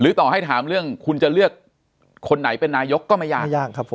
หรือต่อให้ถามเรื่องคุณจะเลือกคนไหนเป็นนาโยคก็ไม่ยาก